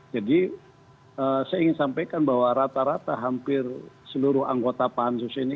jadi saya ingin sampaikan bahwa rata rata hampir seluruh anggota ruu ini